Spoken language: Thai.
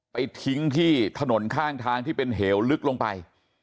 ไปทิ้งที่ถนนข้างทางที่เป็นเหวลึกลงไป